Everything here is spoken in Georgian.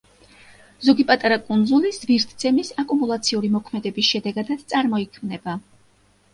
ზოგი პატარა კუნძული ზვირთცემის აკუმულაციური მოქმედების შედეგადაც წარმოიქმნება.